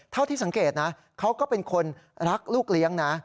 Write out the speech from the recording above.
เท่าที่สังเกตนะเขาก็เป็นคนรักลูกเลี้ยงนะ